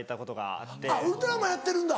あっウルトラマンやってるんだ。